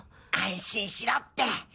安心しろって。